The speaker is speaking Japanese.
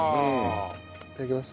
いただきます。